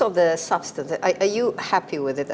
apakah anda senang dengan hal ini